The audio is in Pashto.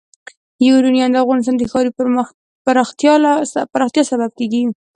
یورانیم د افغانستان د ښاري پراختیا سبب کېږي.